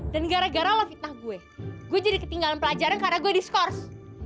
dan gara gara lo fitnah gue gue jadi ketinggalan pelajaran karena gue diskors